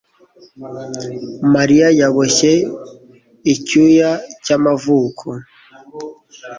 Mariya yaboshye icyuya cyamavuko.